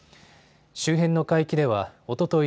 周辺の海域ではおととい